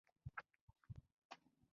بېنډۍ د زړه ضربان برابر ساتي